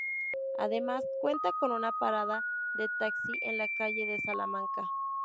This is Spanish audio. Además cuenta con una parada de taxi en la calle de Salamanca.